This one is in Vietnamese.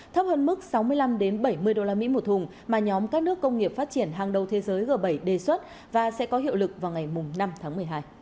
thấp hơn mức sáu mươi năm bảy mươi usd một thùng mà nhóm các nước công nghiệp phát triển hàng đầu thế giới g bảy đề xuất và sẽ có hiệu lực vào ngày năm tháng một mươi hai